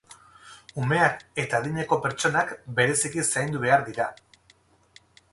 Umeak eta adineko pertsonak bereziki zaindu behar dira.